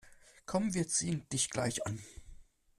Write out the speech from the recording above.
Komm, wir ziehen dich gleich an.